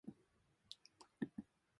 今日はいい天気ですか